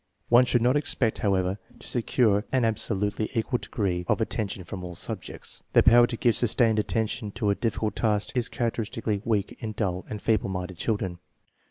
One should not expect, however, to secure an absolutely equal degree of attention from all subjects. The power to give sustained attention to a difficult task is characteris tically weak in dull and feeble minded children.